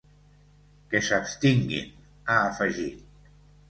Que s’abstinguin, ha afegit.